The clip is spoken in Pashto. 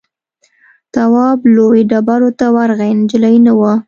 تواب لویو ډبرو ته ورغی نجلۍ نه وه.